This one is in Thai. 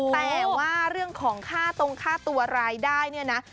แต่ว่าเรื่องของค่าตรงค่าตัวรายได้เนี่ยนะ